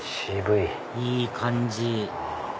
いい感じ